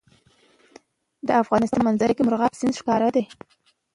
د افغانستان په منظره کې مورغاب سیند ښکاره دی.